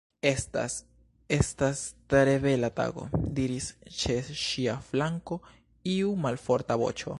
"Estas... estas tre bela tago," diris ĉe ŝia flanko iu malforta voĉo.